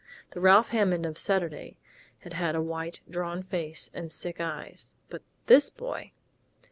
The Ralph Hammond of Saturday had had a white, drawn face and sick eyes. But this boy....